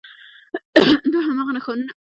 دا هماغه نښانونه